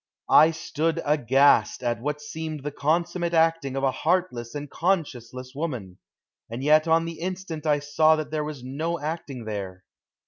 I stood aghast at what seemed the consummate acting of a heartless and conscienceless woman, and yet on the instant I saw that there was no acting there.